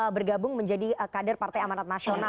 bergabung menjadi kader pan